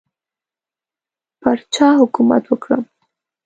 پر چا حکومت وکړم.